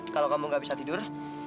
kalau kamu gak bisa tidur